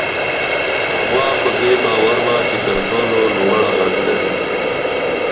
غوا په دې باور وه چې تر ټولو لوړ غږ لري.